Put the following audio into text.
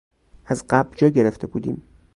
از قبل جا گرفته بودیم.